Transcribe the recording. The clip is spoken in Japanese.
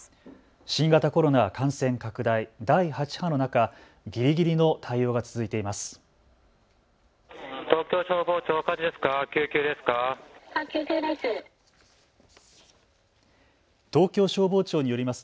新型コロナ感染拡大、第８波の中、ぎりぎりの対応が続いています。